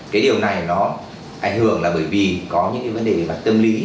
cái điều này nó ảnh hưởng là bởi vì có những cái vấn đề về mặt tâm lý